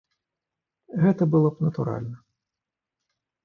Гэта было б натуральна.